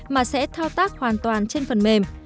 mà sẽ thao tác hoàn toàn trên phần mềm